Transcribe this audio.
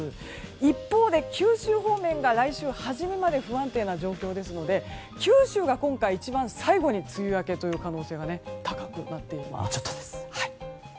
一方で九州方面が来週初めまで不安定な状況ですので九州が今回、一番最後に梅雨明けという可能性が高くなっています。